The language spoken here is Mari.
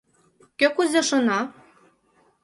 Кӧ кузе шона?